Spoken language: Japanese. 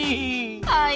はい。